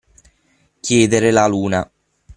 Chiedere la luna.